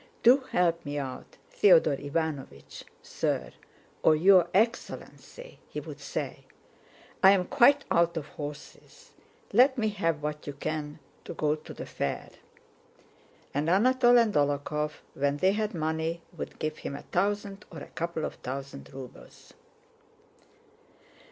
"Do help me out, Theodore Iványch, sir," or "your excellency," he would say. "I am quite out of horses. Let me have what you can to go to the fair." And Anatole and Dólokhov, when they had money, would give him a thousand or a couple of thousand rubles.